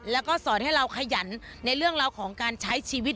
แล้วก็สอนให้เราขยันในเรื่องราวของการใช้ชีวิต